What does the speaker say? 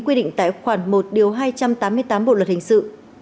quy định tại khoản một điều hai trăm tám mươi tám bộ luật hình sự